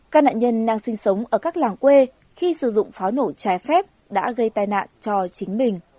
các nạn nhân đang sinh sống ở các làng quê khi sử dụng pháo nổ trái phép đã gây tai nạn cho chính mình